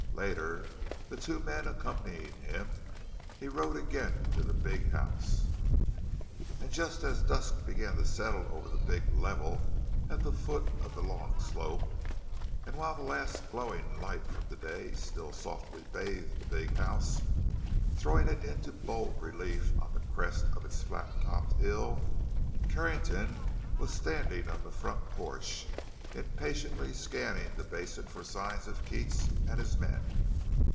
Later, the two men accompanying him, he again rode to the big house. And just as dusk began to settle over the big level at the foot of the long slope—and while the last glowing light from the day still softly bathed the big house, throwing it into bold relief on the crest of its flat topped hill, Carrington was standing on the front porch, impatiently scanning the basin for signs of Keats and his men.